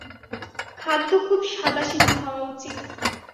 খাদ্য খুব সাদাসিধা হওয়া উচিত।